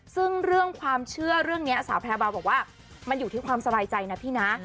ซึ่งเรื่องความเชื่อเรื่องนี้สาวแพรเบาบอกว่ามันอยู่ที่ความสบายใจนะพี่นะ